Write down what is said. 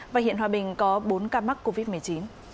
và hiện hòa bình có bốn ca mắc covid một mươi chín